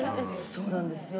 そうなんですよ。